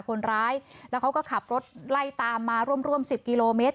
คนร้ายแล้วเขาก็ขับรถไล่ตามมาร่วมร่วม๑๐กิโลเมตร